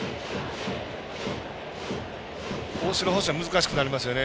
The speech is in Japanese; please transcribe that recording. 大城捕手は難しくなりますよね。